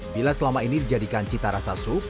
bila selama ini dijadikan cita rasa sup